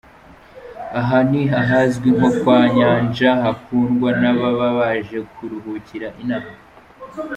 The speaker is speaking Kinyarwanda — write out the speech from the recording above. Aha ni ahazwi nko “Kwa Nyanja” hakundwa n’ababa baje kuruhukira inaha.